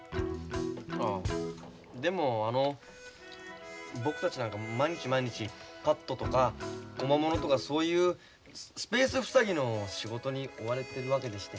ああでもあの僕たちなんか毎日毎日カットとかコマモノとかそういうスペース塞ぎの仕事に追われているわけでして。